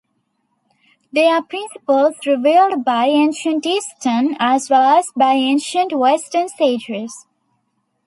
They are principles revered by ancient Eastern as well as by ancient Western sages.